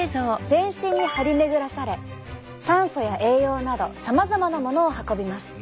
全身に張り巡らされ酸素や栄養などさまざまなものを運びます。